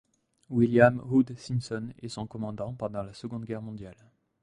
William Hood Simpson est son commandant pendant la Seconde Guerre mondiale.